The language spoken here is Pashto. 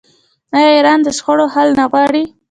آیا ایران د شخړو حل نه غواړي؟